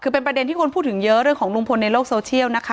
คือเป็นประเด็นที่คนพูดถึงเยอะเรื่องของลุงพลในโลกโซเชียลนะคะ